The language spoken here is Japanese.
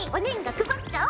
配っちゃおう。